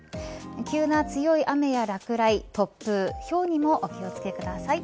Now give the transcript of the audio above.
急な強い雨や落雷、突風ひょうにもお気をつけください。